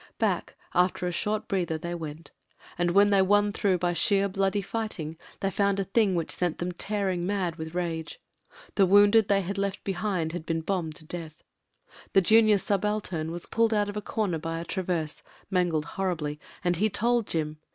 Back, after a short breather, they went, and when they won through by sheer bloody fighting, they found a thing which sent them tearing mad with rage. The wounded they had left behind had been bombed to death. The junior THE MADNESS 309 subaltern was pulled out of a comer by a traverse mangled horribly — and he told Jim.